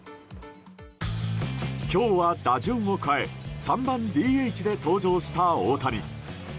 今日は打順を変え３番ＤＨで登場した大谷。